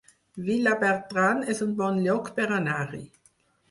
Vilabertran es un bon lloc per anar-hi